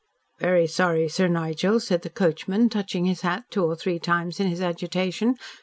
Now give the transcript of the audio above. "Very sorry, Sir Nigel," said the coachman, touching his hat two or three times in his agitation.